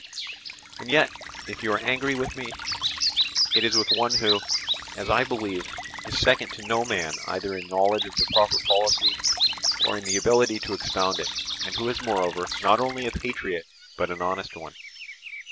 And yet if you are angry with me, it is with one who, as I believe, is second to no man either in knowledge of the proper policy, or in the ability to expound it, and who is moreover not only a patriot but an honest one.